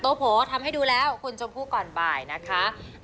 โผล่ทำให้ดูแล้วคุณชมพู่ก่อนบ่ายนะคะ